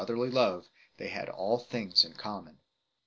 TiAr1y Igye, they had all things n common.